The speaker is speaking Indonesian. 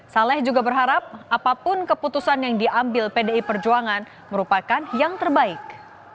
saleh juga berharap apapun keputusan yang diambil pdi perjuangan merupakan yang terbaik